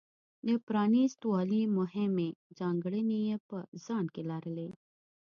د پرانېست والي مهمې ځانګړنې یې په ځان کې لرلې.